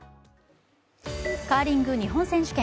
カーリング日本選手権。